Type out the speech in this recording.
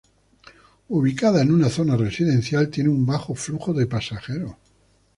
Ubicada en una zona residencial, tiene un bajo flujo de pasajeros.